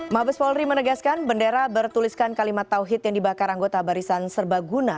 mabes polri menegaskan bendera bertuliskan kalimat tawhid yang dibakar anggota barisan serbaguna